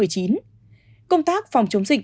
công tác phòng chống dịch